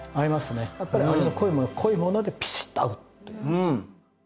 やっぱり味の濃いもの濃いものでピシッと合うという。